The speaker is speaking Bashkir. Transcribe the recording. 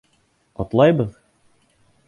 Ҡотолабыҙ!